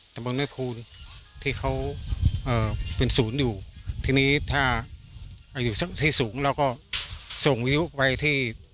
ตะบนแม่คูณที่เขาเป็นศูนย์อยู่ทีนี้ถ้าอยู่ที่สูงเราก็ส่งวิวไปที่